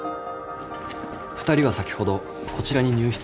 ２人は先ほどこちらに入室しました。